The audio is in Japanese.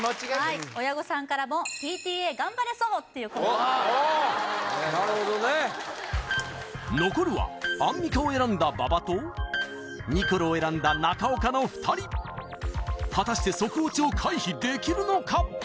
親御さんからもっていう声がなるほどね残るはアンミカを選んだ馬場とニコルを選んだ中岡の２人果たしてソクオチを回避できるのか？